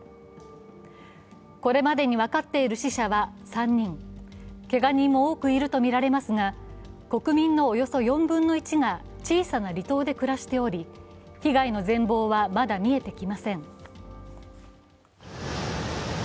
これまでに分かっている死者は３人けが人も多くいるとみられますが国民のおよそ４分の１が小さな離島で暮らしており、被害の全貌はまだ見えてきません。